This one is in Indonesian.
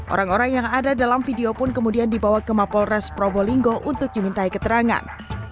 orang orang yang ada dalam video pun kemudian dibawa ke mapol res probolinggo untuk dimintai keterangan